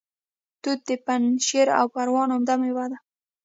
توت د پنجشیر او پروان عمده میوه ده